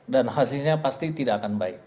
dan hasilnya pasti tidak akan baik